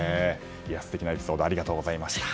素敵なエピソードありがとうございました。